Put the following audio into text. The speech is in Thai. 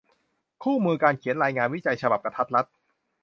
คู่มือการเขียนรายงาน วิจัย ฉบับกะทัดรัด